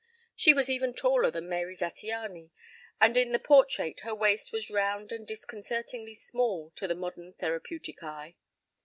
She was even taller than Mary Zattiany and in the portrait her waist was round and disconcertingly small to the modern therapeutic eye.